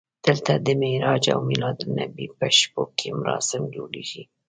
دلته د معراج او میلادالنبي په شپو کې مراسم جوړېږي.